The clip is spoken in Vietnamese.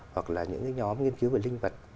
hoặc là những cái nhóm nghiên cứu về linh vật